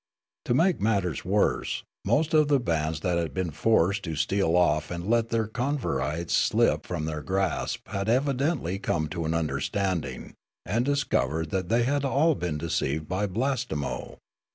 To make matters worse, Coxuria 325 most of the bands that had been forced to steal off and let their convertites slip from their grasp had evidently come to an understanding and discovered that they had all been deceived by Blastenio.